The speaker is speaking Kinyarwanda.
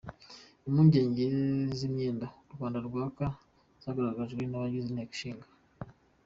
Impungenge z’imyenda u Rwanda rwaka zagaragajwe n’abagize Inteko Ishinga .